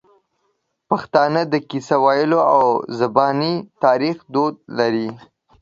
پښتانه د کیسې ویلو او زباني تاریخ دود لري.